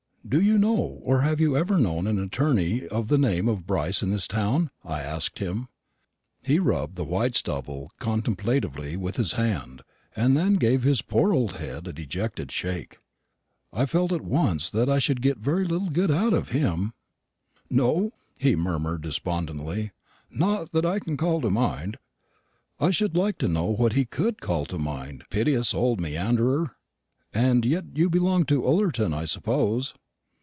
"Do you know, or have you ever known, an attorney of the name of Brice in this town?" I asked him. He rubbed the white stubble contemplatively with his hand, and then gave his poor old head a dejected shake. I felt at once that I should get very little good out of him. "No," he murmured despondently, "not that I can call to mind." I should like to know what he could call to mind, piteous old meanderer! "And yet you belong to Ullerton, I suppose?"